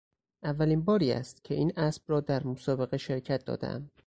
اولین باری است که این اسب را در مسابقه شرکت دادهام.